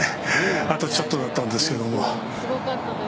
あとちょっとだったんですけど。